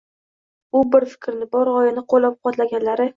U bir fikrni, bir g‘oyani qo‘llab-quvvatlaganlari